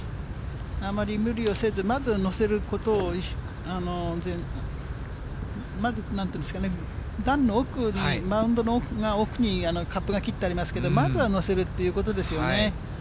あまり無理をせず、まずは乗せることを、まず、段の奥に、マウンドの奥にカップが切ってありますけれども、まずは乗せるっていうことですよね。